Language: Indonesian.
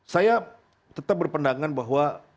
saya tetap berpendangan bahwa